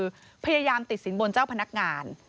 คือพยายามติดสินบนเจ้าพนักงาน